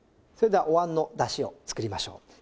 それではお椀のだしを作りましょう。